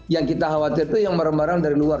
yang kita khawatir itu yang barang barang dari luar